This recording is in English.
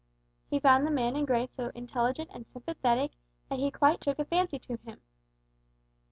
He found the man in grey so intelligent and sympathetic that he quite took a fancy to him.